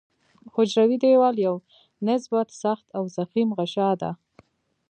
حجروي دیوال یو نسبت سخت او ضخیم غشا ده.